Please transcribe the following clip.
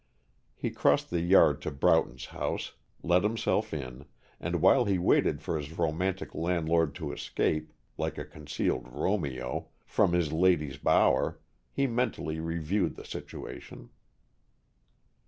He crossed the yard to Broughton's house, let himself in, and while he waited for his romantic landlord to escape, like a concealed Romeo, from his lady's bower, he mentally reviewed the situation.